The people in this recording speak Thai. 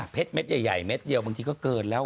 เม็ดใหญ่เม็ดเดียวบางทีก็เกินแล้ว